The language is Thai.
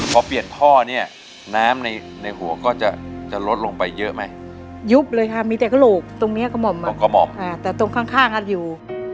พอเปลี่ยนท่อเนี่ยน้ำในในหัวก็จะจะลดลงไปเยอะไหมยุบเลยค่ะมีแต่กระโหลกตรงเนี้ยกระห่อมตรงกระหม่อมแต่ตรงข้างอยู่